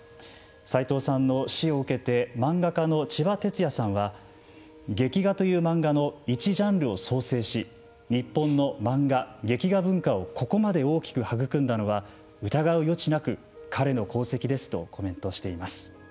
さいとうさんの死を受けて漫画家のちばてつやさんは「劇画」というマンガの一ジャンルを創生し日本の漫画劇画文化をここまで大きく育んだのは疑う余地なく彼の功績ですとコメントしています。